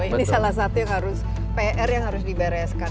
ini salah satu yang harus pr yang harus dibereskan